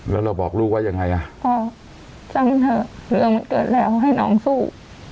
แล้วเราบอกลูกว่ายังไงอ่ะพ่อสั่งเถอะเรื่องมันเกิดแล้วให้น้องสู้